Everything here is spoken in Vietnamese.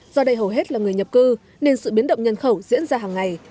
do đây hầu hết là người nhập cư nên sự biến động nhân khẩu diễn ra hàng ngày